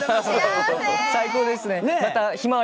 最高ですね。